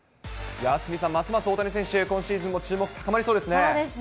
鷲見さん、ますます大谷選手、今シーズンも注目高まりそうですね。